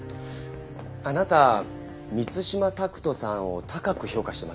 あなた満島拓斗さんを高く評価してますよね。